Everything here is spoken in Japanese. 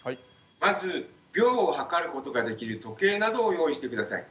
まず秒を計ることができる時計などを用意して下さい。